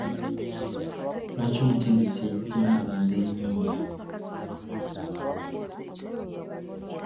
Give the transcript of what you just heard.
Lwaki omutendesi yaggyamu omuzannyi oyo?